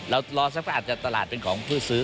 เรารอสักครั้งอาจจะตลาดเป็นของผู้ซื้อ